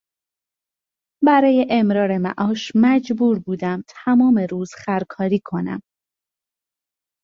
برای امرار معاش مجبور بودم تمام روز خرکاری کنم.